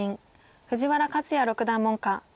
藤原克也六段門下。